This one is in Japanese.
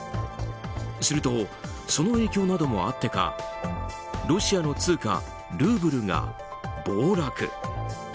すると、その影響などもあってかロシアの通貨ルーブルが暴落。